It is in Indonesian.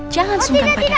jangan sungkan padaku